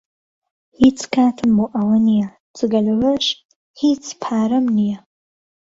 هیچ کاتم بۆ ئەوە نییە، جگە لەوەش، هیچ پارەم نییە.